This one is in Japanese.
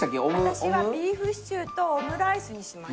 私はビーフシチューとオムライスにしました。